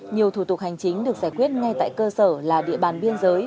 nhiều thủ tục hành chính được giải quyết ngay tại cơ sở là địa bàn biên giới